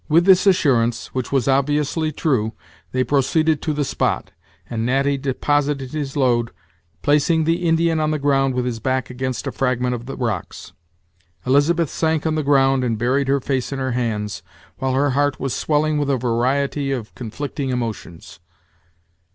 With this assurance, which was obviously true, they proceeded to the spot, and Natty deposited his load, placing the Indian on the ground with his back against a fragment of the rocks. Elizabeth sank on the ground, and buried her face in her hands, while her heart was swelling with a variety of conflicting emotions.